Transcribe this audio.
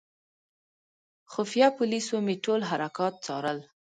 خفیه پولیسو مې ټول حرکات څارل.